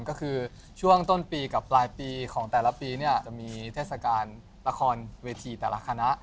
ก็คือช่วงต้นปีกับปลายปีของแต่ละปีเนี่ยจะมีเทศกาลละครเวทีแต่ละคณะ